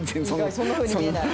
そんなふうに見えない。